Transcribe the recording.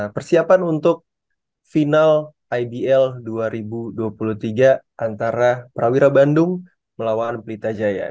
persiapan untuk final ibl dua ribu dua puluh tiga antara prawira bandung melawan pelita jaya